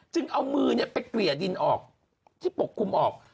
เอามือไปเกลี่ยดินออกที่ปกคลุมออก